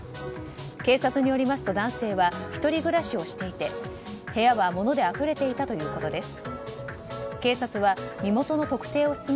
警察によりますと男性は１人暮らしをしていて部屋は物であふれていたということです。